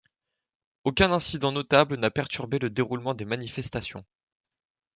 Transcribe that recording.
Aucun incident notable n'a perturbé le déroulement des manifestations.